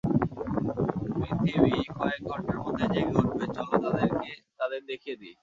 পৃথিবী কয়েক ঘন্টার মধ্যেই জেগে উঠবে, চলো তাদের দেখিয়ে দিই।